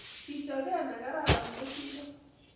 Kechoge negararan kosiro